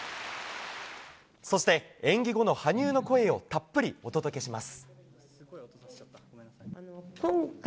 そして演技後の羽生の声をたっぷりお届けします。